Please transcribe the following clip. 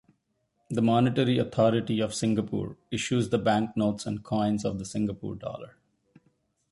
The Monetary Authority of Singapore issues the banknotes and coins of the Singapore dollar.